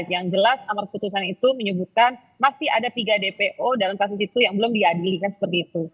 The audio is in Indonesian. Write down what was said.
yang jelas amar putusan itu menyebutkan masih ada tiga dpo dalam kasus itu yang belum diadili kan seperti itu